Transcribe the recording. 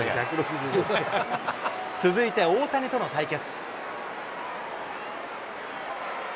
続いて大谷との対決。